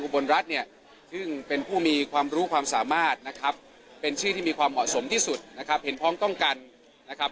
รัฐเนี่ยซึ่งเป็นผู้มีความรู้ความสามารถนะครับเป็นชื่อที่มีความเหมาะสมที่สุดนะครับเห็นพร้อมต้องกันนะครับ